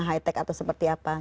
high tech atau seperti apa